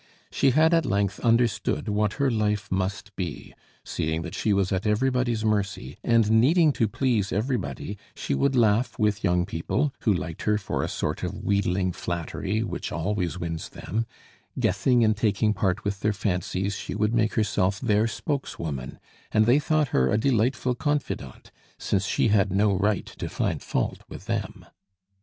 She had at length understood what her life must be, seeing that she was at everybody's mercy; and needing to please everybody, she would laugh with young people, who liked her for a sort of wheedling flattery which always wins them; guessing and taking part with their fancies, she would make herself their spokeswoman, and they thought her a delightful confidante, since she had no right to find fault with them.